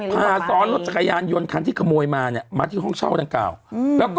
พาตอนรถจักรยานยนท์คันที่ขโมยมามาที่ห้องเช่าดังกล่าว